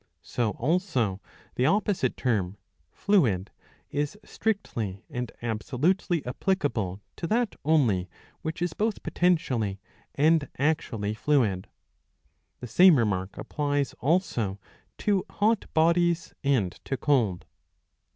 So also the opposite term "fluid" is strictly and absolutely applicable to that only which is both potentially and actually fluid. The same remark applies also to hot bodies and to cold.